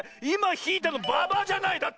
いまひいたのババじゃない？